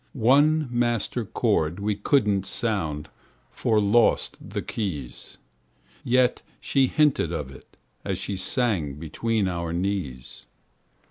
One master chord we couldn't sound For lost the keys, Yet she hinted of it as she sang Between our knees.